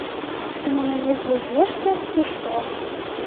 Ты на мяне злуешся, ці што?